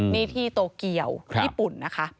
นี่ที่โตเกียวญี่ปุ่นนะคะ